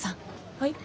はい。